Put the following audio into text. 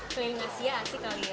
keliling asia asik kali ya